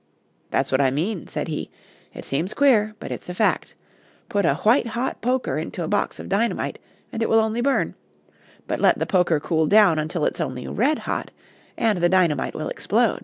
"That's what I mean," said he. "It seems queer, but it's a fact. Put a white hot poker into a box of dynamite, and it will only burn; but let the poker cool down until it's only red hot and the dynamite will explode."